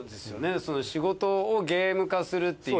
その仕事をゲーム化するっていう。